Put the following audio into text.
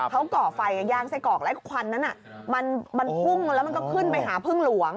เขาก่อไฟย่างไส้กรอกแล้วควันนั้นมันพุ่งแล้วมันก็ขึ้นไปหาพึ่งหลวง